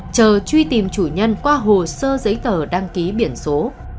chờ truy tìm chủ nhân qua hồ sơ giấy tờ đăng ký biển số